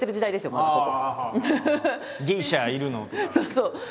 まだここ。